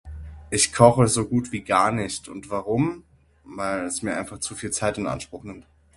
Ich koche so gut wie gar nicht und warum? Weil es mir einfach zu viel Zeit in Anspruch nimmt.